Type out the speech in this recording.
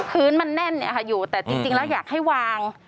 พื้นมันแน่นอยู่แต่จริงแล้วอยากให้วาง